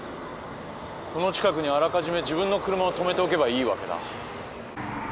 この近くにあらかじめ自分の車を止めておけばいいわけだ。